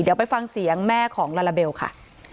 เดี๋ยวไปฟังเสียงแม่ของลาลาเบลค่ะ